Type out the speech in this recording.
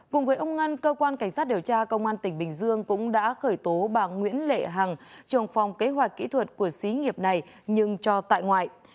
cùng với ông ngân cơ quan cảnh sát điều tra công an tỉnh bình dương cũng đã khởi tố bà nguyễn lệ hằng trồng phòng kế hoạch kỹ thuật của xí nghiệp này nhưng cho tại ngoại